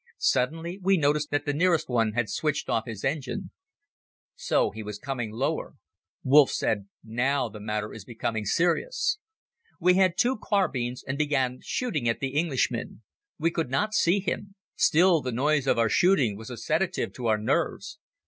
Suddenly we noticed that the nearest one had switched off his engine. So he was coming lower. Wolff said: "Now the matter is becoming serious." We had two carbines and began shooting at the Englishman. We could not see him. Still the noise of our shooting was a sedative to our nerves.